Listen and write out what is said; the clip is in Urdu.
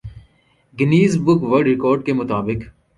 گنیز بک ورلڈ ریکارڈ کے مطابق